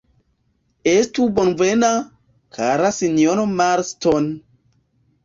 Estu bonvena, kara sinjoro Marston!